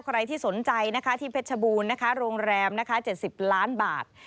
ใครที่สนใจนะคะที่เพชรบูรณ์นะคะโรงแรมนะคะ๗๐ล้านบาท